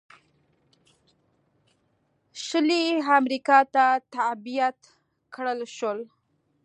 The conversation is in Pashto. شلي امریکا ته تبعید کړل شول.